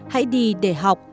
hãy đi để học